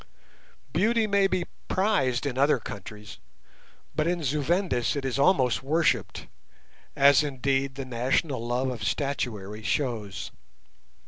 Beauty may be prized in other countries, but in Zu Vendis it is almost worshipped, as indeed the national love of statuary shows.